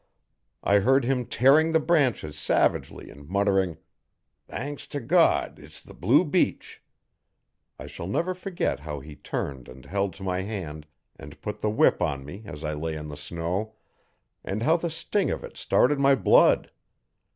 I heard him tearing the branches savagely and muttering, 'Thanks to God, it's the blue beech.' I shall never forget how he turned and held to my hand and put the whip on me as I lay in the snow, and how the sting of it started my blood.